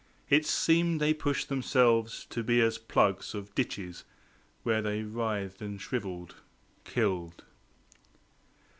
It seemed they pushed themselves to be as plugs Of ditches, where they writhed and shrivelled, killed.